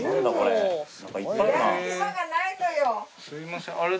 すみません。